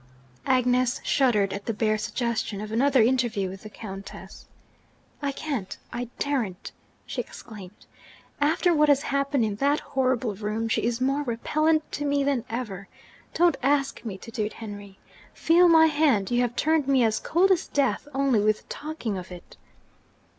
Agnes shuddered at the bare suggestion of another interview with the Countess. 'I can't! I daren't!' she exclaimed. 'After what has happened in that horrible room, she is more repellent to me than ever. Don't ask me to do it, Henry! Feel my hand you have turned me as cold as death only with talking of it!'